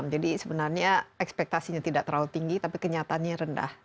jadi sebenarnya ekspektasinya tidak terlalu tinggi tapi kenyataannya rendah